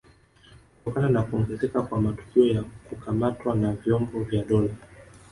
Kutokana na kuongezeka kwa matukio ya kukamatwa na vyombo vya dola